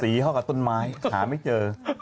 เข้ากับต้นไม้หาไม่เจอ